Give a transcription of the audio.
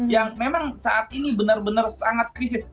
yang memang saat ini benar benar sangat krisis